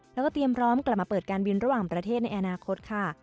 แล้วก็เตรียมพร้อมกลับมาเปิดการบินระหว่างประเทศในอนาคตค่ะ